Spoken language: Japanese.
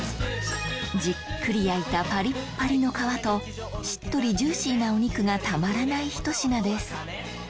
じっくり焼いたパリッパリの皮としっとりジューシーなお肉がたまらないひと品です